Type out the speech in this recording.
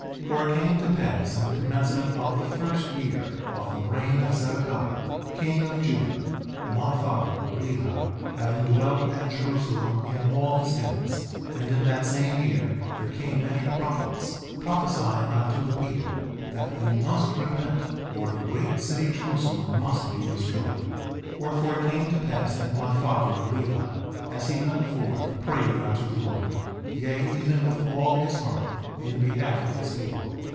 1:4 For it came to pass in the commencement of the first year of the reign of Zedekiah, king of Judah, (my father, Lehi, having dwelt at Jerusalem in all his days); and in that same year there came many prophets, prophesying unto the people that they must repent, or the great city Jerusalem must be destroyed. 1:5 Wherefore it came to pass that my father, Lehi, as he went forth prayed unto the Lord, yea, even with all his heart, in behalf of his people.